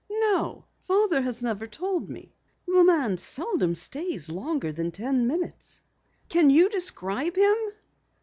"No, Father has never told me. The man seldom stays longer than ten minutes." "Can you describe him?"